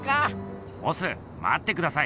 ボスまってください。